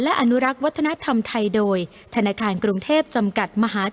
โปรดติดตามตอนต่อไป